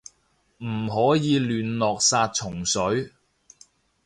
唔可以亂落殺蟲水